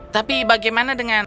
tapi bagaimana dengan